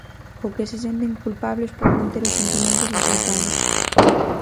Ou que se senten culpables por non ter os sentimentos axeitados.